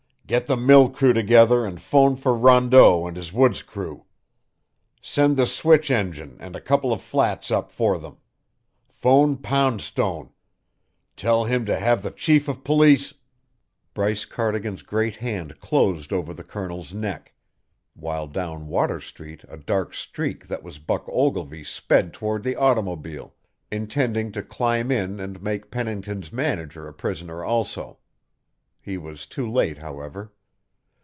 Get the mill crew together and phone for Rondeau and his woods crew. Send the switch engine and a couple of flats up for them. Phone Poundstone. Tell him to have the chief of police " Bryce Cardigan's great hand closed over the Colonel's neck, while down Water Street a dark streak that was Buck Ogilvy sped toward the automobile, intending to climb in and make Pennington's manager a prisoner also. He was too late, however.